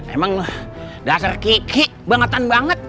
emang dasar kiki bangetan banget